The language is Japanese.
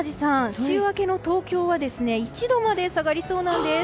週明けの東京は１度まで下がりそうなんです。